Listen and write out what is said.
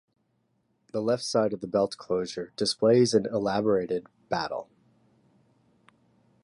The left side of the belt closure displays an elaborated battle.